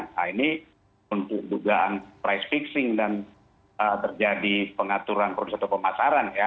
nah ini untuk dugaan price fixing dan terjadi pengaturan produk atau pemasaran ya